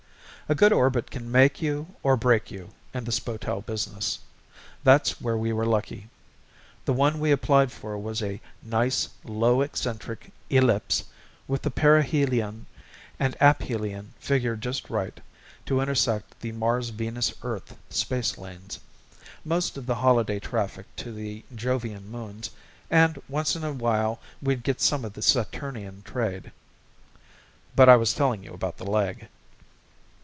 A good orbit can make you or break you in the spotel business. That's where we were lucky. The one we applied for was a nice low eccentric ellipse with the perihelion and aphelion figured just right to intersect the Mars Venus Earth spacelanes, most of the holiday traffic to the Jovian Moons, and once in a while we'd get some of the Saturnian trade. But I was telling you about the leg.